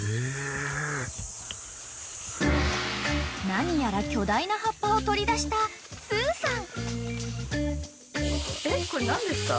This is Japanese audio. ［何やら巨大な葉っぱを取り出したすーさん］